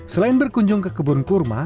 selain berkunjung ke kebun kurma